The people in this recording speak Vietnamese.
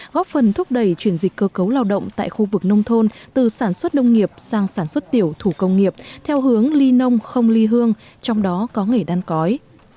góp phần thúc đẩy chuyển dịch cơ cấu lao động tại khu vực nông thôn từ sản xuất nông nghiệp sang sản xuất tiểu thủ công nghiệp theo hướng ly nông không ly hương trong đó có nghề đan cói